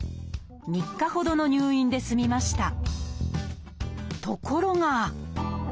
３日ほどの入院で済みました。